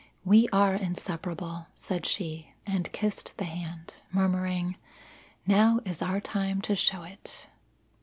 "We are inseparable," said she, and kissed the hand, murmuring, "Now is our time to show it."